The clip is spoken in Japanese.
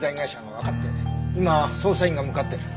今捜査員が向かってる。